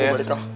gue balik kak